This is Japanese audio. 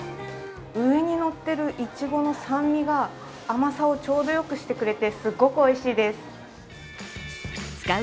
上にのってるいちごの酸味が甘さをちょうどよくしてくれてすっごくおいしいです。